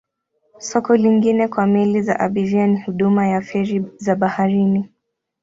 Soko lingine kwa meli za abiria ni huduma ya feri za baharini.